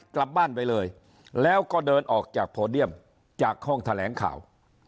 กลับบ้านไปเลยแล้วก็เดินออกจากโพเดียมจากห้องแถลงข่าว